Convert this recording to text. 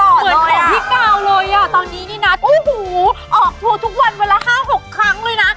เหมือนของพี่เก่าเลยอะตอนนี้นี่นะอุ้ยหูยยยยออกทั่วทุกวันเวลา๕๖ครั้งเลยนะ